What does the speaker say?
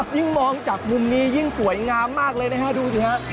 ยิ่งมองจากมุมนี้ยิ่งสวยงามมากเลยนะฮะดูสิฮะ